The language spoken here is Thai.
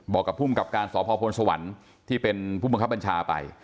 กับภูมิกับการสพพลสวรรค์ที่เป็นผู้บังคับบัญชาไป